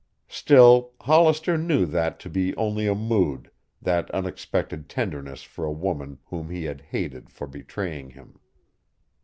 Still, Hollister knew that to be only a mood, that unexpected tenderness for a woman whom he had hated for betraying him.